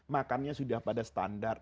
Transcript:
makannya sudah pada standar